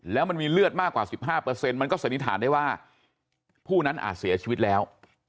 แล้วมันมีเลือดมากกว่า๑๕มันก็สันนิษฐานได้ว่าผู้นั้นอาจเสียชีวิตแล้ว